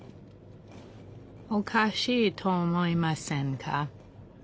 おかしいと思いませんか？